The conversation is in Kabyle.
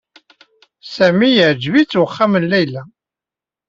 Sami yeɛjeb-it uxxam n Layla.